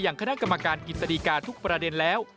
อย่างคณะกรรมการกิจสติกาทุกประเด็นแล้ว